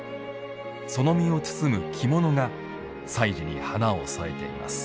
その身を包む着物が祭事に華を添えています。